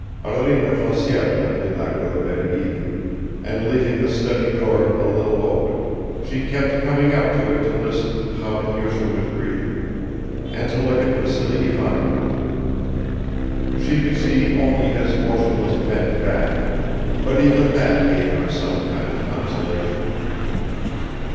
Arina Vlasyevna did not go to bed either, and leaving the study door a little open, she kept coming up to it to listen "how Enyusha was breathing," and to look at Vassily Ivanovich. She could see only his motionless bent back, but even that have her some kind of consolation.